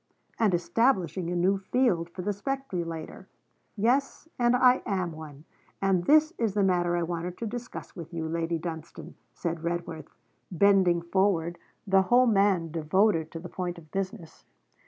'And establishing a new field for the speculator.' 'Yes, and I am one, and this is the matter I wanted to discuss with you, Lady Dunstane,' said Redworth, bending forward, the whole man devoted to the point of business.